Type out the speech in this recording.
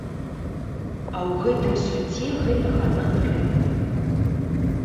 А ў гэтым судзе гэтага на тры.